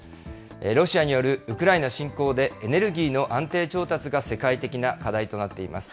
ロシアによるウクライナ侵攻でエネルギーの安定調達が世界的な課題となっています。